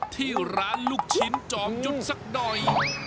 ที่ร้านลูกชิ้นจอมจุ้นสักหน่อย